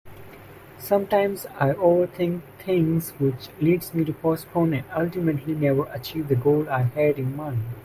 Sometimes I overthink things which leads me to postpone and ultimately never achieve the goal I had in mind.